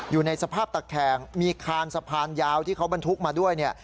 อยู่ในสภาพตะแคงมีคานสะพานยาวที่เขาบรรทุกมาด้วยเนี่ย